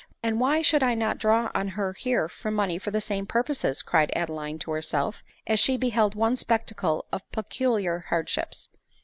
# 1 " And why should I not draw on her here for money for the same purposes ?" cried Adeline to herself, as she beheld one spectacle of peculiar hardships.